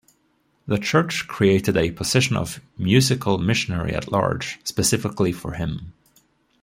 The church created a position of "musical missionary-at-large" specifically for him.